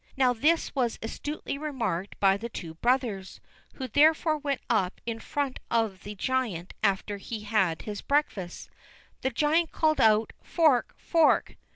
Now, this was astutely remarked by the two brothers, who therefore went up in front of the giant after he had had his breakfast. The giant called out, "Fork! fork!"